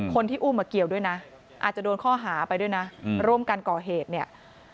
คนที่อุ้มมาเกี่ยวด้วยนะอาจจะโดนข้อหาไปด้วยนะร่วมกันก่อเหตุเนี่ย